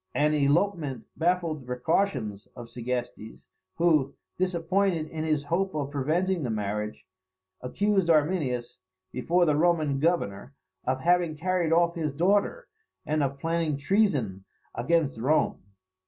An elopement baffled the precautions of Segestes; who, disappointed in his hope of preventing the marriage, accused Arminius, before the Roman governor, of having carried off his daughter, and of planning treason against Rome.